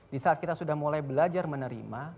di saat kita sudah mulai belajar menerima